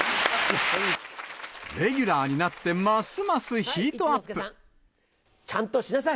レギュラーになってますますちゃんとしなさい。